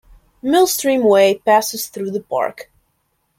Millstream Way passes through the park.